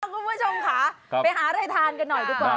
คุณผู้ชมค่ะไปหาอะไรทานกันหน่อยดีกว่า